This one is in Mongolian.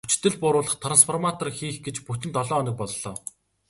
Хүчдэл бууруулах трансформатор хийх гэж бүтэн долоо хоног боллоо.